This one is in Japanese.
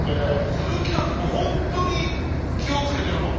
鈴木はでも本当に気を付けてるもんね。